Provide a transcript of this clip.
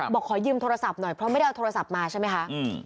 ขอยืมโทรศัพท์หน่อยเพราะไม่ได้เอาโทรศัพท์มาใช่ไหมคะ